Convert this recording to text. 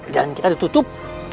jalan kita ditutup